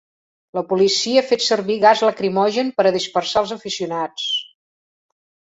La policia ha fet servir gas lacrimogen per a dispersar els aficionats.